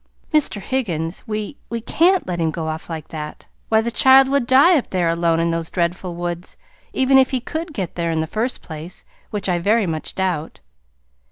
Mr. Higgins, we we CAN'T let him go off like that. Why, the child would die up there alone in those dreadful woods, even if he could get there in the first place which I very much doubt."